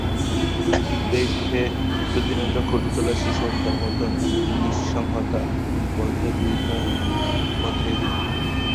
দেশে প্রতিনিয়ত ঘটে চলা শিশুহত্যার মতো নৃশংসতা বন্ধে দুই ধরনের পথে এগোতে হবে।